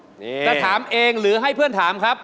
นี่จะถามเองหรือให้เพื่อนถามครับ